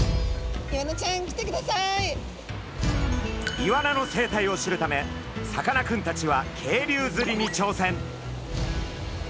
イワナの生態を知るためさかなクンたちは渓流釣りにちょうせん。